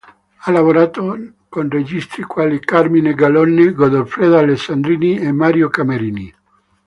Ha lavorato con registi quali Carmine Gallone, Goffredo Alessandrini e Mario Camerini.